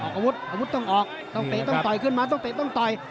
ต้องเตะต้องต่อยขึ้นมาต้องเตะต้องต่อย